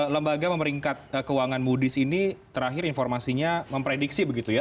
lembaga memeringkat keuangan moody's ini terakhir informasinya memprediksi begitu ya